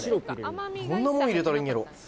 どんなもん入れたらいいんやろう？